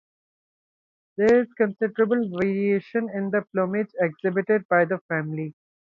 There is considerable variation in the plumage exhibited by the family.